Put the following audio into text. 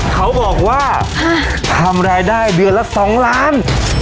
เขาบอกว่าทำรายได้เดือนละ๒ล้าน